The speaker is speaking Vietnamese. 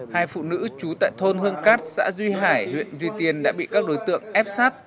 hai phụ nữ trú tại thôn hương cát xã duy hải huyện duy tiên đã bị các đối tượng ép sát